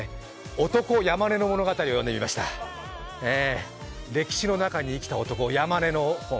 「男山根」の物語を読んでみましたええ、歴史の中に生きた男山根の本。